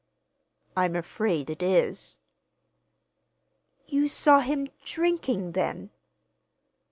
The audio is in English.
"I'm afraid it is." "You saw him—drinking, then?"